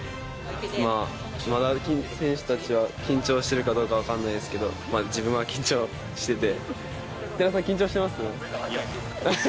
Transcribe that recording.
選手たちは緊張してるかどうか分からないですけど、自分は緊張してて。